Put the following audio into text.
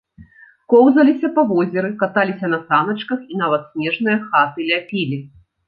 Коўзаліся па возеры, каталіся на саначках і нават снежныя хаты ляпілі.